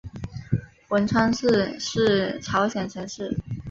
文川市是朝鲜城市。